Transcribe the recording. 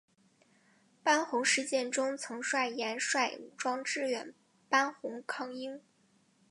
班洪事件中曾率岩帅武装支援班洪抗英。